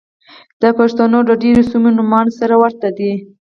د پښتنو د ډېرو سيمو نومان سره ورته دي.